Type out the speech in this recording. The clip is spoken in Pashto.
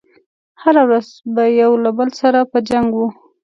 هره ورځ به يو له بل سره په جنګ و.